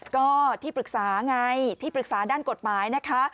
ก็ที่ปรึกษาไงที่ปรึกษาด้านกฎหมายนะคะ